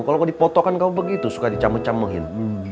kalo dipotokan kamu begitu suka dicamuk camukin